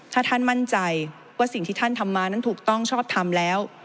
ถ้าท่านมั่นใจว่าสิ่งที่ท่านทำมานั้นถูกต้องชอบทำแล้ว